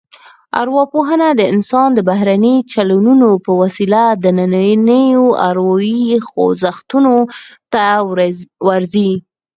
ارواپوهنه د انسان د بهرنیو چلنونو په وسیله دنننیو اروايي خوځښتونو ته ورځي